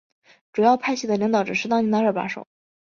主要派系的领导者是当年的第二把手。